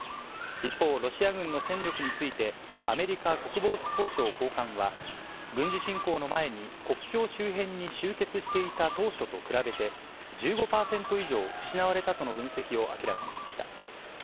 一方、ロシア軍の戦力について、アメリカ国防総省高官は、軍事侵攻の前に、国境周辺に集結していた当初と比べて、１５％以上失われたとの分析を明らかにしました。